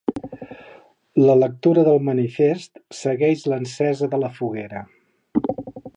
La lectura del manifest segueix l'encesa de la foguera.